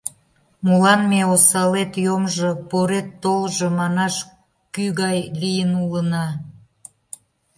Молан ме «осалет йомжо, порет толжо» манаш кӱ гай лийын улына?